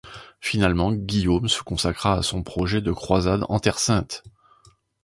Finalement, Guillaume se consacra à son projet de croisade en Terre sainte.